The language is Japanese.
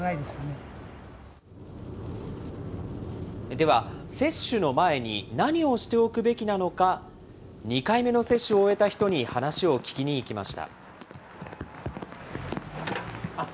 では、接種の前に何をしておくべきなのか、２回目の接種を終えた人に話を聞きに行きました。